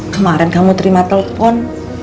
kemarin kamu terima telepon